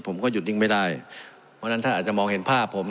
ผมก็หยุดนิ่งไม่ได้เพราะฉะนั้นท่านอาจจะมองเห็นภาพผม